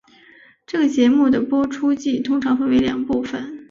这个节目的播出季通常分为两部份。